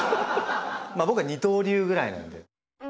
僕は二刀流ぐらいなんで。